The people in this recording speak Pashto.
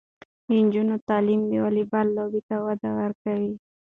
د نجونو تعلیم د والیبال لوبې ته وده ورکوي.